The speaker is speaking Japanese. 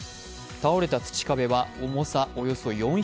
倒れた土壁は重さおよそ４００ｋｇ。